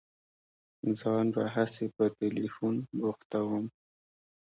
ځان به هسي په ټېلفون بوختوم.